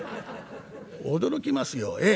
驚きますよええ。